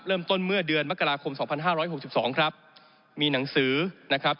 เริ่มต้นเมื่อเดือนมกราคมสองพันห้าร้อยหกสิบสองครับมีหนังสือนะครับ